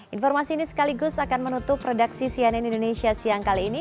informasi ini sekaligus akan menutup redaksi cnn indonesia siang kali ini